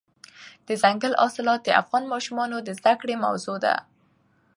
دځنګل حاصلات د افغان ماشومانو د زده کړې موضوع ده.